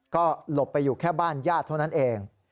ก็หลบไปอยู่แค่บ้านญาติเท่านั้นเอง